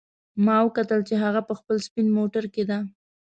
ما وکتل چې هغه په خپل سپین موټر کې ده